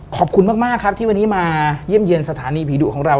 ขอบคุณมากครับที่วันนี้มาเยี่ยมเยี่ยมสถานีผีดุของเรา